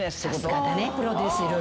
さすがだね。